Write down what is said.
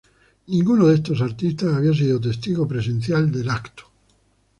Ninguno de estos artistas había sido testigo presencial del evento.